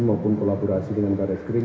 maupun kolaborasi dengan para skrim